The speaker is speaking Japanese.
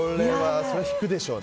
それは引くでしょうね。